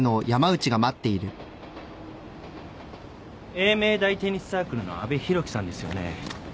栄明大テニスサークルの阿部広樹さんですよね？